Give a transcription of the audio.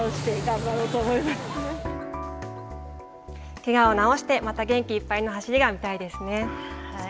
けがを治してまた元気いっぱいの走りが見たいですね。